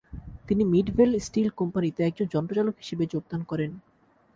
তিনি 'Midvale steel কোম্পানিতে' একজন যন্ত্র চালক হিসেবে যোগদান করেন।